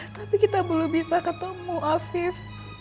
tapi kita belum bisa ketemu afif